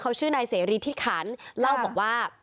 เขาชื่อนายเสรีที่ขันเล่าบอกว่า